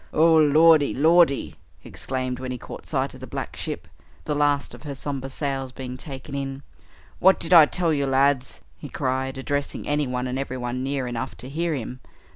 "Oh, Lordy, Lordy!" he exclaimed when he caught sight of the black ship, the last of her somber sails being taken in, "what did I tell you, lads?" he cried, addressing anyone and everyone near enough to hear him.